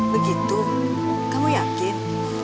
begitu kamu yakin